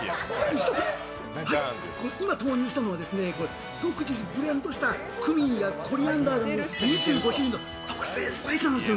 今投入したのは、独自にブレンドしたクミンやコリアンダーなど２５種類の特製スパイスなんです。